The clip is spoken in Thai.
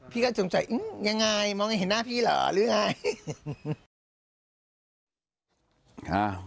พี่ก็สงสัยยังไงมองให้เห็นหน้าพี่เหรอหรือไง